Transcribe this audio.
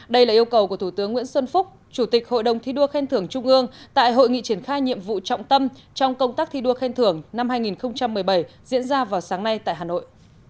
đây là yêu cầu của thủ tướng nguyễn xuân phúc chủ tịch hội đồng thi đua khen thưởng trung ương tại hội nghị triển khai nhiệm vụ trọng tâm trong công tác thi đua khen thưởng năm hai nghìn một mươi bảy diễn ra vào sáng nay tại hà nội